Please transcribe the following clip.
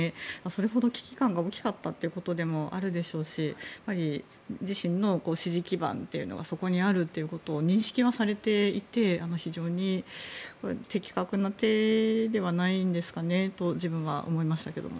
それほど危機感が大きかったということでもあるでしょうし自身の支持基盤というのがそこにあるというのを認識はされていて非常に的確な手ではないんですかねと自分は思いましたけど。